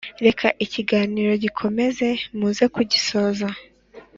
reka ikiganiro gikomeze muze kugisoza